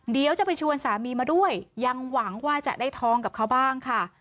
เดี๋ยวจะไปชวนสามีมาด้วยยังหวังว่าจะได้ทองกับเขาบ้างค่ะ